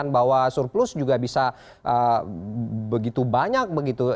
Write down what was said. bahwa surplus juga bisa begitu banyak begitu